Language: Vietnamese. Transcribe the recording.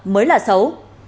mới là xấu